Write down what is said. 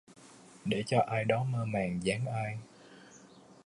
Để cho ai đó mơ màng dáng ai